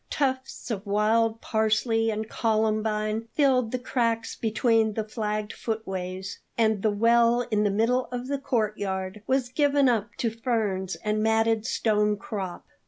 Tufts of wild parsley and columbine filled the cracks between the flagged footways, and the well in the middle of the courtyard was given up to ferns and matted stone crop.